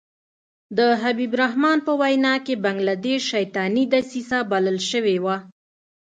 د حبیب الرحمن په وینا کې بنګله دېش شیطاني دسیسه بلل شوې وه.